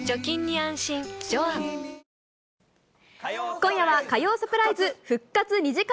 今夜は火曜サプライズ復活２時間